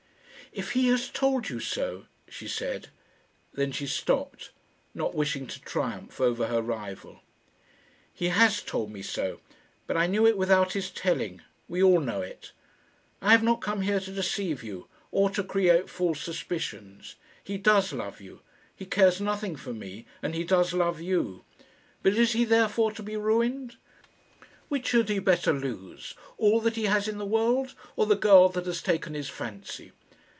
"If he has told you so," she said then she stopped, not wishing to triumph over her rival. "He has told me so; but I knew it without his telling. We all know it. I have not come here to deceive you, or to create false suspicions. He does love you. He cares nothing for me, and he does love you. But is he therefore to be ruined? Which had he better lose? All that he has in the world, or the girl that has taken his fancy?"